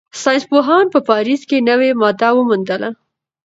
ساینسپوهانو په پاریس کې نوې ماده وموندله.